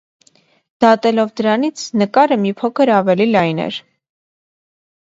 Դատելով դրանից, նկարը մի փոքր ավելի լայն էր։